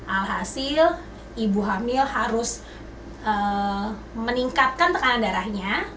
alhasil ibu hamil harus meningkatkan tekanan darahnya